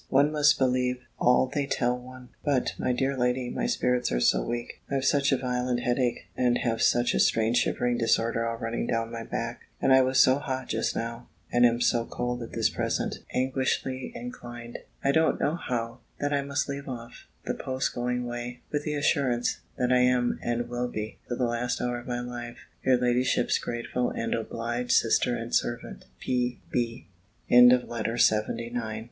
One must believe all they tell one! But, my dear lady, my spirits are so weak; I have such a violent headache, and have such a strange shivering disorder all running down my back, and I was so hot just now, and am so cold at this present aguishly inclined I don't know how! that I must leave off, the post going away, with the assurance, that I am, and will be, to the last hour of my life, your ladyship's grateful and obliged sister and servant, P.B. LETTER LXXX _From Mr. B. to Lady Davers.